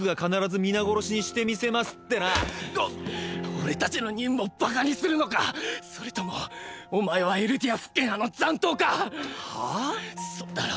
俺たちの任務をバカにするのか⁉それともお前はエルディア復権派の残党か⁉は⁉そうだろ！！